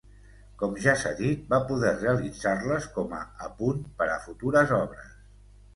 Com ja s'ha dit, va poder realitzar-les com a apunt per a futures obres.